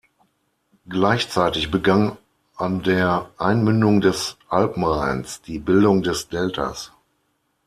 Gleichzeitig begann an der Einmündung des Alpenrheins die Bildung des Deltas.